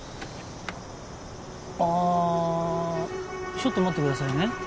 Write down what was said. ああちょっと待ってくださいね